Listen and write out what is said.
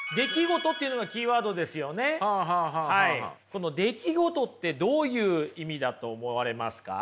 この出来事ってどういう意味だと思われますか？